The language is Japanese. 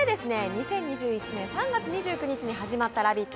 ２０２１年３月２９日に始まった「ラヴィット！」